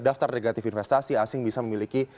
daftar negatif investasi asing bisa memiliki